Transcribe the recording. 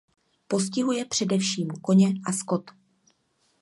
Postihuje především koně a skot.